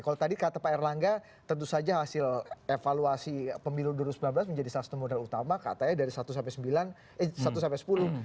kalau tadi kata pak erlangga tentu saja hasil evaluasi pemilu dua ribu sembilan belas menjadi salah satu modal utama katanya dari satu sampai sepuluh